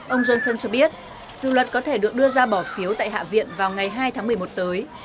ông johnson cho biết dự luật có thể được đưa ra bỏ phiếu tại hạ viện vào ngày hai tháng một mươi một tới